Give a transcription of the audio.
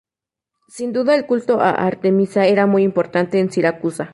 Sin duda el culto a Artemisa era muy importante en Siracusa.